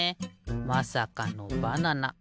まさかのバナナ。